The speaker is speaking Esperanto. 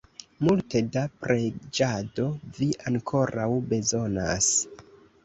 Multe da preĝado vi ankoraŭ bezonas!